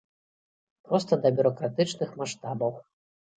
Проста да бюракратычных маштабаў.